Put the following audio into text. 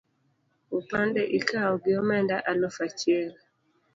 Opande ikawo gi omenda alufu achiel